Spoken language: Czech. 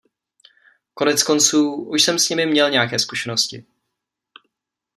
Koneckonců, už jsem s nimi měl nějaké zkušenosti.